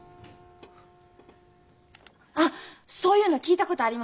あっそういうの聞いたことあります。